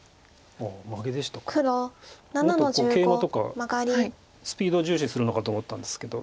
もっとケイマとかスピードを重視するのかと思ったんですけど。